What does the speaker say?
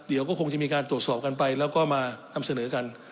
เดี๋ยวก็คงจะมีการตรวจสอบกันไปแล้วก็มานำเสนอกัน